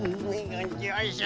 よいしょ。